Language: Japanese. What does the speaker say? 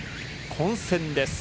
混戦です。